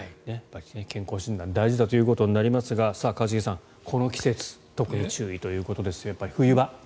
健康診断大事だということになりますが一茂さん、この季節特に注意ということですがやっぱり冬場。